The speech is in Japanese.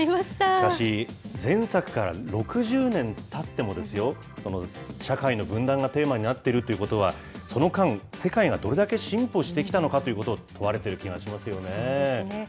しかし、前作から６０年たってもですよ、社会の分断がテーマになっているということは、その間、世界がどれだけ進歩してきたのかということを問われている気がしそうですね。